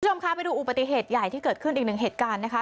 คุณผู้ชมคะไปดูอุปติเหตุใหญ่ที่เกิดขึ้นอีกหนึ่งเหตุการณ์นะคะ